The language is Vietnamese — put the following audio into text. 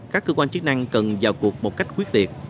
các cơ quan chức năng cần vào cuộc một cách quyết liệt